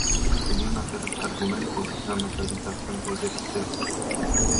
Czy nie ma teraz argumentu za nowelizacją tej dyrektywy?